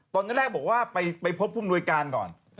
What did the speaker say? ตอนแรกบอกว่าไปพบผู้มนวยการก่อน